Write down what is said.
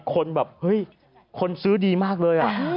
คนซื้อดีมากเลย